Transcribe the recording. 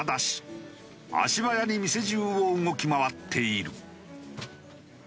足早に店中を動き回っている。